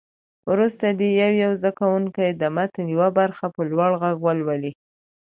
وروسته دې یو یو زده کوونکی د متن یوه برخه په لوړ غږ ولولي.